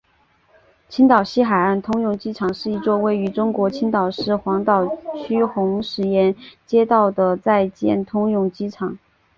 青岛西海岸通用机场是一座位于中国青岛市黄岛区红石崖街道的在建通用机场。